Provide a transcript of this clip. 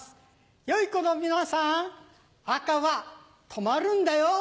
よい子の皆さん赤は止まるんだよ！